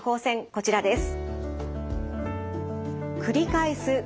こちらです。